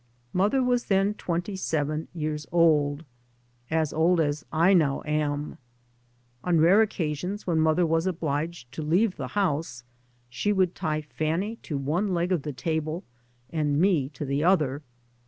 Mother was then twenty seven years old, as old as I now am. On rare occasions when mother was obliged to leave the house she would tie Fanny to one leg of the table, and me to the other.